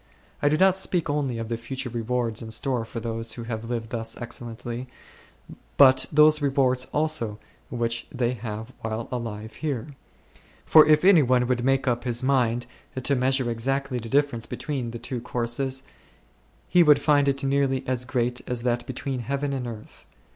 I do not speak only of the future rewards in store for those who have lived thus excellently, but those rewards also which they have while alive here ; for if any one would make up his mind to measure exactly the differ ence between the two courses, he would find it well nigh as great as that between heaven and earth.